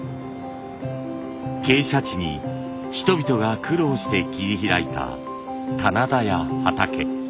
傾斜地に人々が苦労して切り開いた棚田や畑。